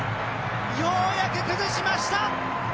ようやく崩しました。